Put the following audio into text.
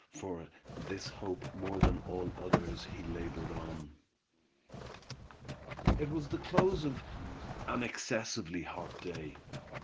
For this hope more than all others he labored on. It was the close of an excessively hot day.